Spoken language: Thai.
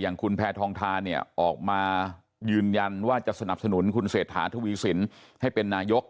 อย่างคุณแพทองทานเนี่ยออกมายืนยันว่าจะสนับสนุนคุณเศรษฐาทวีสินให้เป็นนายก